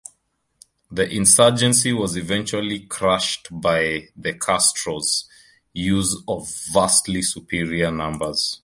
The insurgency was eventually crushed by the Castros' use of vastly superior numbers.